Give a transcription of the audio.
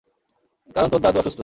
কারণ তোর দাদু অসুস্থ?